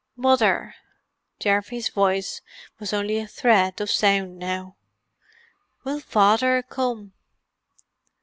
"Mother." Geoffrey's voice was only a thread of sound now. "Will Father come?"